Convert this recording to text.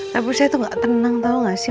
tapi saya tuh gak tenang tau gak sih